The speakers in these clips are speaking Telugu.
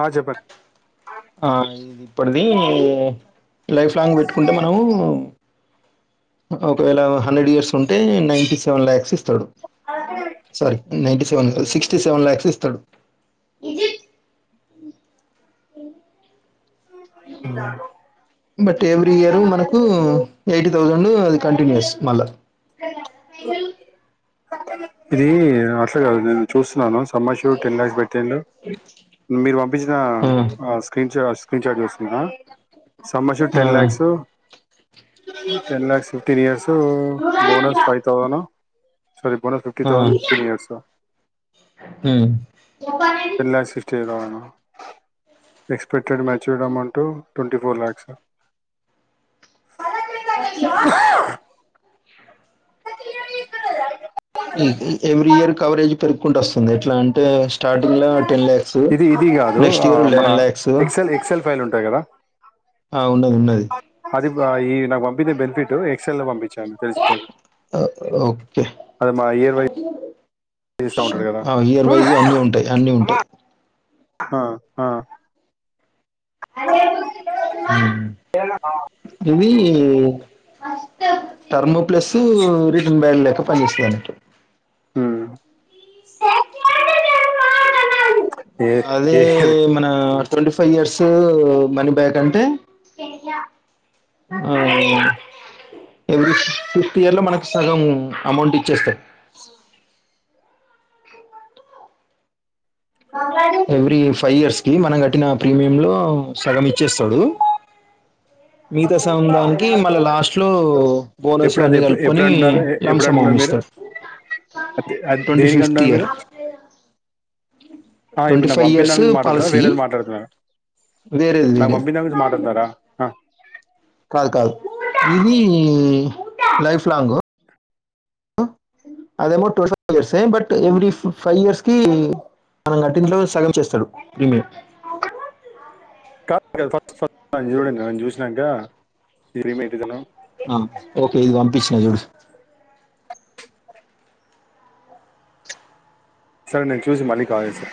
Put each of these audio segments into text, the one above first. ఆ చెప్పండి ఆ ఇది ఇప్పడిది లైఫ్ లాంగ్ పెట్టుకుంటే మనము ఒకవేళ హండ్రెడ్ ఇయర్స్ ఉంటే నైంటీ సెవెన్ ల్యాక్స్ ఇస్తడు సారి నైంటీ టొంటల్ సిక్స్టీ సెవెన్ ల్యాక్స్ ఇస్తాడు బట్ ఎవ్రీ ఇయరు మనకు ఎయిటీ తౌసండూ కంటిన్యూస్ మళ్ళ ఇది అట్లా కాదు నేను చూస్తున్నాను సమ్మార్ షూట్ టెన్ ల్యాక్స్ పెట్టిండు మీరు పంపించిన ఆ స్క్రీన్ షాట్ స్క్రీన్ షాట్ చూస్తున్నా సమ్మర్ షూట్ ఆ ten lakhs ten lakhs fifteen years డు బోనస్ పోను సారి బోనస్ ఫిఫ్టీ ఆ తౌసండ్ ఫిఫ్టీన్ ఇయర్సు ఉమ్ ten lakhs fifteen thousand expected matured amount twenty four lakhs అక ఎవ్రీ ఇయర్ కవరేజ్ పెరు కుంటస్తుంది ఎట్లాం తే ఇది ఇది కాదు ఆ, మన ఎక్సెల్ ఎక్సెల్ ఫైల్ ఉంటాయి కదా అయి నాకు పంపింది బేనిఫిట్ ఎక్సెల్ ల పంపి చంపేసిపోదు ఓకే అది మా ఇయర్ వై ఇయర్ వైజ్ అన్ని ఉంటయి అన్నీ ఉంటయి హా హా ఉ గివి ఈ టర్ము ప్లస్ రిటన్ బయలులేక పని చేస్తాదనట్టు ఉమ్. స అ అదే మన ట్వంటీ ఫైవ్ ఇయర్స్ తేదో మనీ బ్యాక్ అంటే ఎవ్రీ ఫిఫ్త్ ఇయర్ లో మనకు సగం అమౌంట్ ఇచ్చేస్తారు ఎవ్రీ ఫైవ్ ఇయర్స్ కి మనం కట్టిన ప్రీమయం లో సగం ఇచ్చేస్తాడు మిగతా సగం దానికి మళ్ళ లాస్ట్ లో బోనస్ ఎప్పుడది అన్ని ఎప్పుడు ఎప్పుడు కలుపుకొని అంటున్నారు ఎప్పుడు లంసం మం అంటున్నారు మీరు ఇస్తారు అది ట్వంటీ దేనికి ఫిఫ్త్ అంటున్నారు ఇయర్ మీరు ఆ ఇప్పుడు ట్వంటీ నాకు ఫైవ్ పంపిందాని ఇయర్స్ గురించి మాట్లాడుతరా పాలసీ వేరే దాని గురించి మాట్లాడుతున్నర వేరేది నాకు వేరేది పంపింద్దానిగురించి మాట్లాడతునారా ఆ కాదు కాదు ఇది లైఫ్ లాంగ్ అదేమో twelve years but every five years కి మనం గట్టింట్లో సగం చేస్తడు ప్రీమి కాదు కాదు ఫస్ట్ ఫ నను చూడూరి నను చూసినంక దిరిమ్ ఎంటిదనో ఆ ఓకే ఇది పంపి తీసిజుడు సారె నేను చూసి మళ్ళీ కాల్ చేస్తా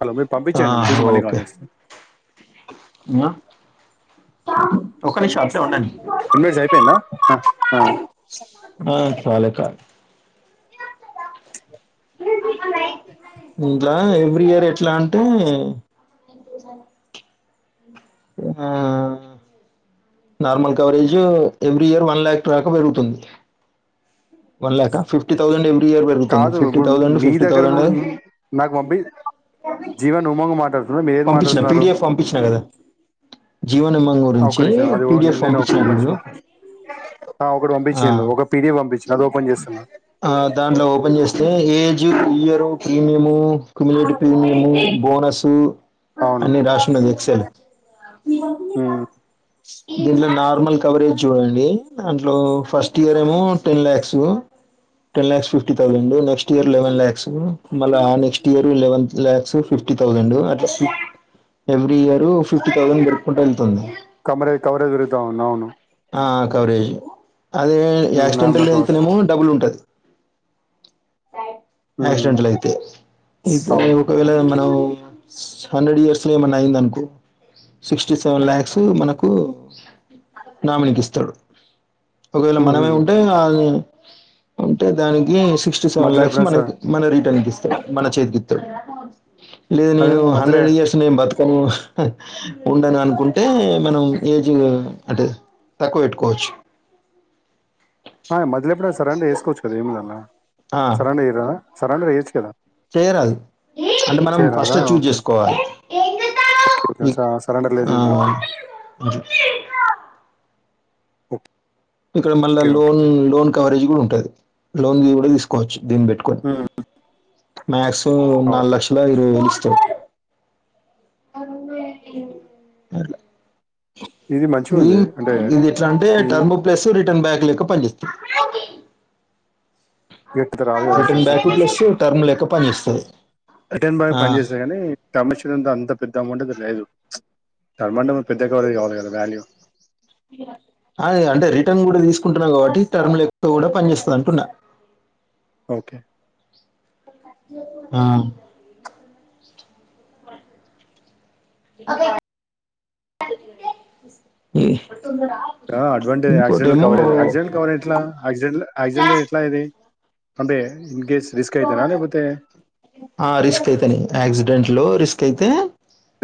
హలో మీరు ఆ, పంపించేయండి చూసి మళ్ళీ ఓకే కాల్ చేస్తా ఆ, ఒక్క నిమిషం అట్లే ఉండండి టెన్ డెస్ అయిపోయిందా ఆ, చాలే కాదు దింట్ల ఆ ఎవ్రీ ఇయర్ ఎట్లా అంటే normal coverage every year one lakh దకా పెరుగుతుంది వన్ ల్యాక ఫిఫ్టీ థౌసేండ్ ఎం కాదు ఇప్పుడు నీ దగ్గర ఉన్నది నీ నాకు పంపియి జీవన్ ఉమంగు మాట్లాడుతున్నా మీరు ఏది పంపించిన మాట్లాడుతున్నారు పీడిఎఫ్ పంపించిన కదా జీవనింబం ఆ ఒక్క గురించి నిమీషాం అది ఓ పీడిఎఫ్ నేను పంపించిన ఒక చూడు నిమిషం ఆ ఇప్పుడు ఆ పంపిచిల్లు ఒక పీ డి ఎఫ్ పంపించినా అది ఓపెన్ చేస్తున్నా పని చేస్తే age year premium community premium bonus అవును అన్ని రాశివున్నది ఎక్సల్ ఉమ్ దీంట్లో నార్మల్ కవరేజ్ జుడండి అ ట్లో ఫస్ట్ ఇయర్ ఏమో ten lakhs ten lakhs fifty thousand next year eleven lakhs మళ్ళా ఆ next year eleven lakhs fifty thousand at every year fifty thousand పెరుకుంట ఎళ్తుంది కమరే కవరేజ్ పెరుగుతావుంది అవును ఆ కవరేజ్ అదే ఉమ్ యాక్సిటెంట్ నార్మల్ టల్ కవర్ అయితేనేమో డబ్బులు ఉంటాది. ఉమ్ యాక్సిడెంట్టలైతే ఇక అవును ఒకవేళ మనం స్ హండ్రెడ్ ఇయర్స్ లో ఏమన్న అయిందనకో సిక్స్టీ సెవెన్ లాక్స్ మనకు నామినికిస్తడు ఒకవేళ ఉహు మనమే ఉంటే ఆయి కుంటే దానికి సిస్టీ సెవెన్ మధ్యలో లాక్స్ ఎప్పుడైనా సార్ మనకు మన రిటర్న్ తీ మనచేత్కి ఇత్తడు లేదు అదే నేను మధ్యలో హండ్రెడ్ ఇయర్స్ నే బత్ ఓ ఉండన అనుకుంటే మనం ఏజు అటే తక్కువ వేట్కోవచ్చు ఆ మధ్యలెప్పుడన సరండు ఎసుకోవచ్చు కదా ఏముంది అండ్లా ఆ సరండు ఇయరా సరండర్ ఏయోచ్చు కదా చేయరాదు అంటే మనం చేయరాదా ఫస్ట్ చూజ్ ఓకే చేసుకోవాలి ఓకే ఓకే ఈ స సరెండర్ లేదు ఆ ఇందులో ఓప్ ఇక్కడ మల్ల లోన్ లోన్ కవరేజ్ ఉంటది లోన్వి కూడా తీసుకోవచ్చు. దీన్ని పెట్ట్కొని, ఉమ్ మాస్సిమం అవును నాలులక్షల ఇరవై వేలు ఇస్తర్ అట్ల ఇది మంచిగా ఇ ఉంది అంటే ఇదేట్ల అంటే ఇది టర్మ్ రిటర్న్ బ్యాక్ లెక్క పనిచేస్తది లేకపోతే రాదు కదా insurance back commission plus term లెక్క పనిచేస్తుంది రిటర్న్ బ్యాక్ ఆ పని చేస్తది కానీ కమిషన్ అంత అంత పెద్ద అమౌంట్ ఐతే లేదు టర్మంటే మళ్ల పెద్ద కవరేజ్ కావాలి కదా ర్యాలీ యో ఆ ఇగ అంటే రిటర్న్ కూడా తీసుకుంటున్నా కాబట్టి టర్మ్ లెక్క కూడా పనిచేస్తది అంటున్నా ఓకే ఆ ఇ ఇక్కడ అడ్వాంటేజ్ యాక్సిడెంట్ల కవరేజ్ యాక్సిడెంట్ల కవరేజ్ ఎట్లా యాక్సిడెంట్ల యాక్సిడెంట్ల ఎట్లా ఇది అదే ఇ ఆ రిస్క్ అయితనే యాక్సి డెంట్లో రిస్క్ అయితే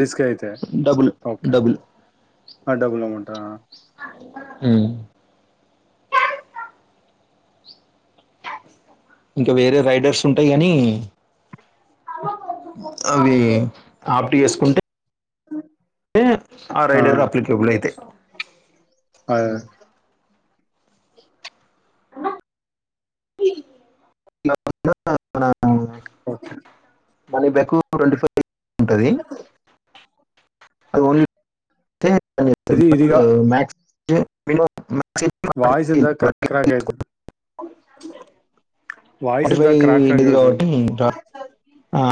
రిస్క్ డబుల్ డబుల్ అడ్డగులో! ! ! ! ! ! ! ! ! ! ఉమ్ ఇంకా వేరే రైడర్స్ ఉంటాయి కాని అవి ఆప్ట్ చేసుకుంటే ఆ రైడర్ అప్లికబుల్ అయితాయి ఆ అన్న మన okay money back twenty five ఉంటుంది అది ఉన్ ఇది ఇదిగా ఏ వినపడుతుందా వాయిస్ ఫార్టీ ఇందాక క్రాక్ క్రాక్ అయితుంది. వాయిస్ ఇందాక క్రాక్ క్రాక్ ఫైవ్ అవుతుంది. కాదు కాబట్టి ఆ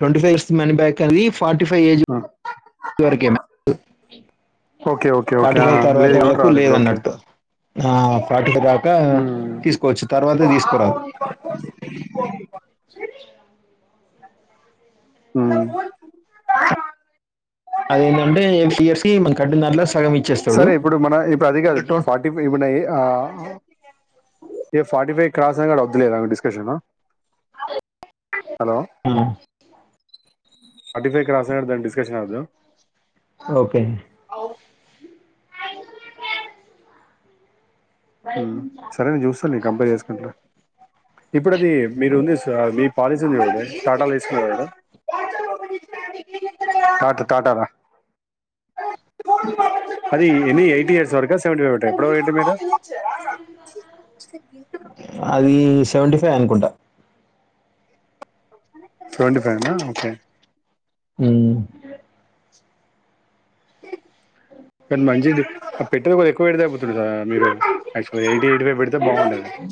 ట్వంటీ ఫైవ్ మనీ బ్యాక్ ఖలీఫ్ ఫార్టీ ఫైవ్ ఏజ్ ఆ! ఇవరకే ఓకే. ఓకే. ఓకే. ఆ! పాటిక తర్వాత లేదు కాబట్టి వాళ్లకు రాదు ఇప్పుడు ఓకే. లేదన్నట్టు ఆ పాటిద ఇంకా హ్మ్. తీసుకోవచ్చు తర్వాత తీసుకురా ఉమ్ కట్టిన దాంట్లో సాగ్ సరే ఇప్పుడు మన ఇప్పుడు అది కాదు టోన్ ఫార్టీ ఇవన్ అయి ఆ ఏ ఫార్టీ ఫైవ్ క్రాస్ అయినాక వద్దులే discussion hello um forty five cross అయినాక దాని డిస్కషన్ ఏ వద్దు ఓకే అ ఉమ్ సరే నేను చూస్తాను నేను కంపేనీ చేసుకుంటా ఇప్పుడు అది మీరు ఉంది మీ పాలసీ ఉంది కదా టాటలో తీసుకున్నారు టాటా టాటలో అది ఎన్ని ఎయిటీ ఇయర్స్ వరకా సెవెంటీ ఫైవ్ ఎప్పుడో రేట్ మీద అది సెవెంటీ ఫైవ్ తే అనుకుంటా సెవెంటీ ఫైవ్ ఏనా ఓకే ఉమ్ కానీ మంచిది పెట్టేది కూడా ఎక్కువ పెడితే అయిపోతుంది కదా మీరు యాక్చువల్గా ఎయిటీ ఎయిటీ ఫైవ్ పెడితే బాగుండేది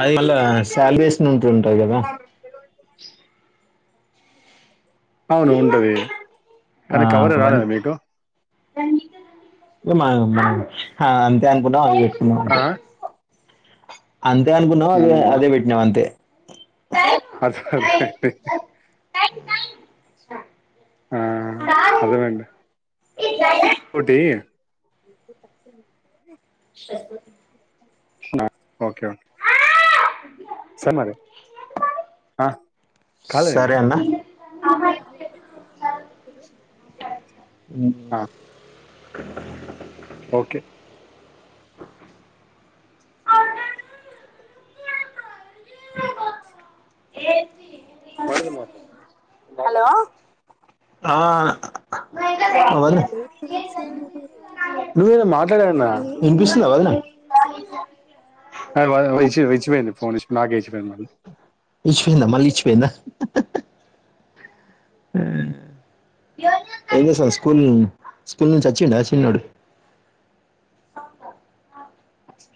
అది ఇలా శాలరీస్ని ఉంటుంటాది కదా అవును ఉంటది కానీ కవరే రాలేదా మీకు మ మ ఆ అంతే అనుకుంటాం మ్ ఆ! అంతే అంతే అనుకున్నాం అదే అదే పెట్టినం అంతే స అద అదే ఆ అర్థమైంది. ఇంకోటి ఆ ఓకే సరే మరి ఆ కాలేదా సరే ఇంకా? అన్నా మ్ ఆ! ఓకే అ హలో ఆ వదిన నువ్వేదో మాట్లాడ వినిపిస్తుందా వదినా ఆ వేచ్ పోయింది ఫోన్ ఇచ్చి నాకే ఇచ్చి పోయింది. ఇచ్చిపోయింద మళ్ళ ఇచ్చపోయిందా ఏం చేసావ్ స్కూల్ స్కూల్ నుంచి వచ్చిండ చిన్నోడు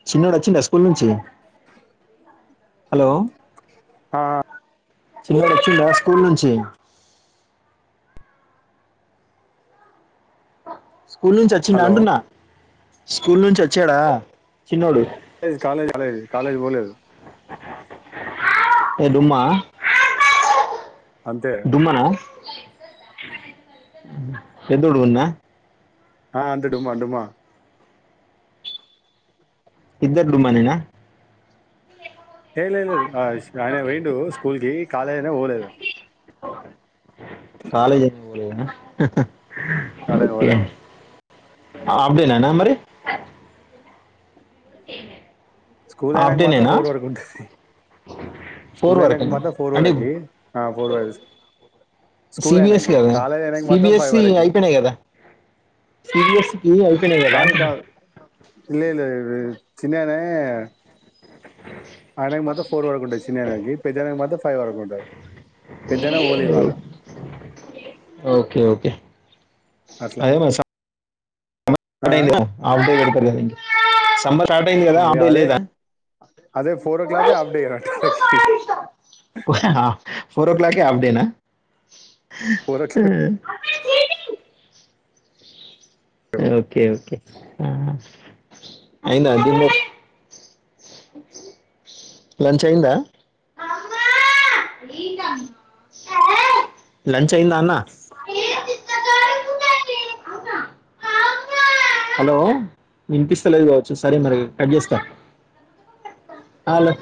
చచిన్నోడు వచ్చిండ స్కూల్ నుంచి హలో ఆ చిన్నోడ్ వచ్చిండా స్కూల్ నుంచి స్కూల్ నుంచి వచ్చిండా హలో! అంటున్నా స్కూల్ నుంచి వచ్చాడా చిన్నోడు కాలేజ్ కాలేజ్ కాలేజ్ కాలేజ్ పోలేదు ఏ డుమ్మా అంతే. డుమ్మనా పెద్దోడ్ గుడ్నా ఆ అంటే డుమ్మా డుమ్మా ఇద్దర్ డుమ్మానేనా ఏ లేలేదు ఆయన పొయిండు స్కూల్కి కాలేజనే పోలేదు కాలేదైతే పోలేదనా అరె ఒరే ఆఫ్ డే నా మరి ఏమో స్కూల్ అయినాక మాత్రం ఫోర్ వరక్ ఉంటది. ఫోర్ స్కూల్ వరకు అయినాక మాత్రం ఫోర్ అంటే వరకి ఆ ఫోర్ వర స్కూల్ సిబిఎస్ అయినాక కదా కాలేజ్ అయినాక మాత్రం ఫైవ్ సిబిఎస్సి వరకి అయిపోయినాయి కదా సిబిఎస్సికి అయిపోయినాయి కదా కాదు అంటున్నా. కాదు ఇల్ల్ ఇల్ల్ చిన్ననా ఆడేక మా ఫోర్ర్ కుఉంట చిన్ననికి పెద్దానికి మాత్రం ఫైవ్ వరకు ఉంటదు ఉమ్ ఓకే ఓకే అట్లా అదే మ ప ఆ ఆరుకె పెడ్తరు కదా ఇంకా సంబధ స్టార్ట్ అయి కదా ఏ అంటే అదే లేదా అదే ఫోర్ ఓ క్లాకే ఓయ్ హాఫ్ డే అట వాళ్ళకి హా ఫోర్ ఓ క్లాకే అఫడేనా హా ఫోర్ ఓ క్లాక్ ఉమ్ అమ్మ చీటింగ్ ఓకే ఓకే ఆ అయింద లంచ అయిందా లంచ అయిందా అనా హలో వినిపిస్తలేదు కావచ్చు సరే మరి కట్ చేస్తా హలో